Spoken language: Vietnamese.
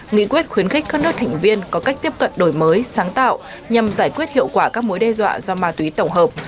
nghị quyết khuyến khích các nước thành viên có cách tiếp cận đổi mới sáng tạo nhằm giải quyết hiệu quả các mối đe dọa do ma túy tổng hợp